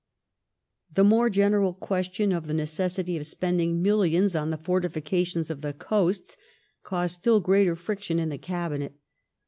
The more general question of the necessity of spend* ing millions on the fortifieations of the coast caused still greater friction in the Gabinet.